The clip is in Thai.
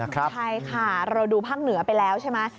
ใช่ค่ะเราดูภาคเหนือไปแล้วใช่ไหม